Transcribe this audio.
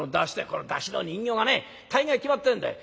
「この山車の人形がね大概決まってんだよ。